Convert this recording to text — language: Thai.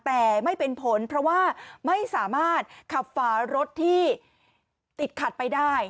แต่ไม่เป็นผลเพราะว่าไม่สามารถขับฝารถที่ติดขัดไปได้